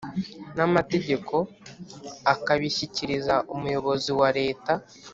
n amategeko akabishyikiriza Umuyobozi wa leta